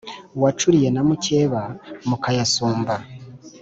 wacuriye na makeba mukayasumba.